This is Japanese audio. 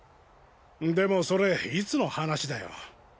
でもそれいつの話だよ？